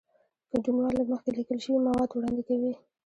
ګډونوال له مخکې لیکل شوي مواد وړاندې کوي.